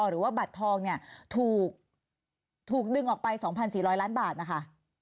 หรือว่าบัตรทองเนี่ยถูกดึงออกไป๒๔๐๐ล้านบาทนะคะ